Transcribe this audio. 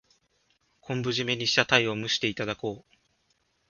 昆布じめにしたタイを蒸していただこう。